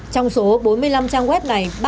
trong số bốn mươi năm trang web này